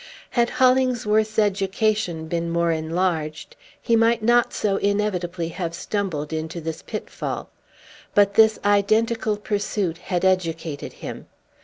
Had Hollingsworth's education been more enlarged, he might not so inevitably have stumbled into this pitfall. But this identical pursuit had educated him.